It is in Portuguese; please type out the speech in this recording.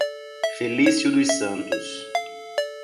Felício dos Santos